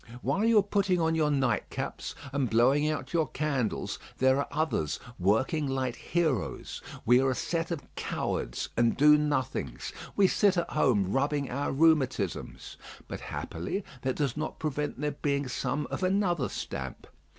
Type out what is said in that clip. While you are putting on your night caps and blowing out your candles there are others working like heroes. We are a set of cowards and do nothings; we sit at home rubbing our rheumatisms; but happily that does not prevent there being some of another stamp.